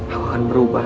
aku akan berubah